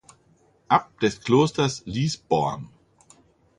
Abt des Klosters Liesborn.